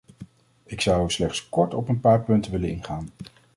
Ik zou slechts kort op een paar punten willen ingaan.